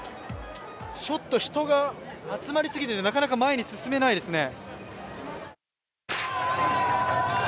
ちょっと人が集まりすぎてなかなか前へ進めないですね。